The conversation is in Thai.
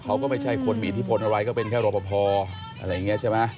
ไม่ใช่คนมีอิทธิพลอะไรก็เป็นแค่รอปภอะไรอย่างนี้ใช่ไหม